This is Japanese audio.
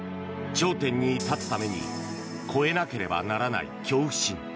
頂点に立つために超えなければならない恐怖心。